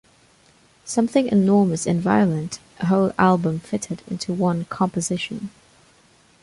Something enormous and violent, a whole album fitted into one composition.